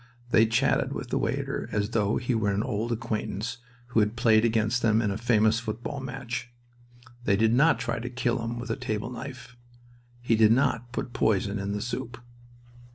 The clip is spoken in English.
They chatted with the waiter as though he were an old acquaintance who had played against them in a famous football match. They did not try to kill him with a table knife. He did not put poison in the soup.